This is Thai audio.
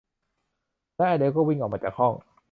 และอเดลก็วิ่งออกมาจากห้อง